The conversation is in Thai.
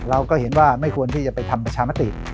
เราก็เห็นว่าไม่ควรที่จะไปทำประชามติ